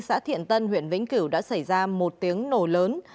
xã thiện tân huyện vĩnh cửu đã xảy ra một tiếng nổ lớn